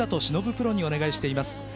プロにお願いしています。